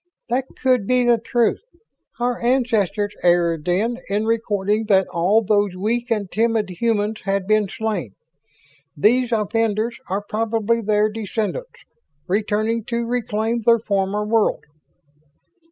"That could be the truth. Our ancestors erred, then, in recording that all those weak and timid humans had been slain. These offenders are probably their descendants, returning to reclaim their former world."